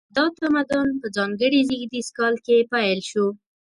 دا تمدن په ځانګړي زیږدیز کال کې پیل شو.